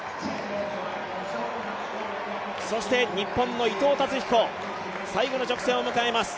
日本の伊藤達彦、最後の直線を迎えます。